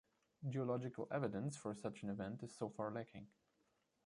Geological evidence for such an event is so far lacking.